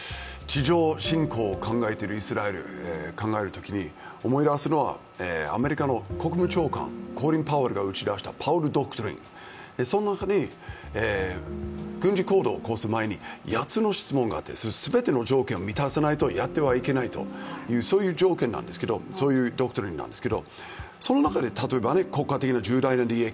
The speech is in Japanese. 今回の地上侵攻を考えているイスラエルを考えるときに思い出すのはアメリカの国務長官パウルが出したパウエルドクトリン、その中に軍事行動を起こす前に８つの質問があって全ての条件を満たさないとやってはいけないというドクトリンなんですけどその中で効果的な利益